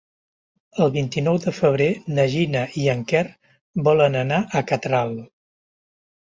El vint-i-nou de febrer na Gina i en Quer volen anar a Catral.